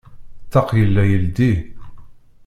Ṭṭaq yella yeldi.